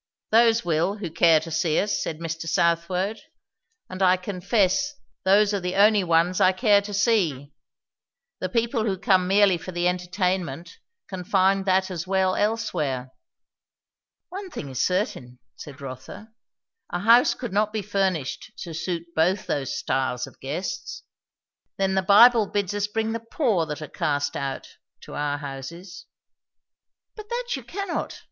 "Those will who care to see us," said Mr. Southwode; "and I confess those are the only ones I care to see. The people who come merely for the entertainment can find that as well elsewhere." "One thing is certain," said Rotha. "A house could not be furnished to suit both those styles of guests." "Then the Bible bids us bring the poor that are cast out, to our houses." "But that you cannot!